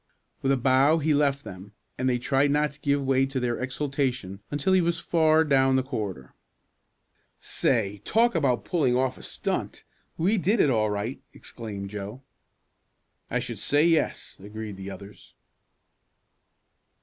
With a bow he left them and they tried not to give way to their exultation until he was far down the corridor. "Say, talk about pulling off a stunt! We did it all right!" exclaimed Joe. "I should say yes," agreed the others.